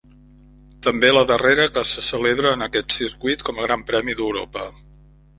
També la darrera que se celebra en aquest circuit com a Gran Premi d'Europa.